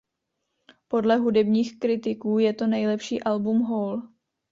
Podle hudebních kritiků je to nejlepší album Hole.